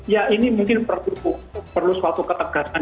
ya ini mungkin perlu suatu ketegasan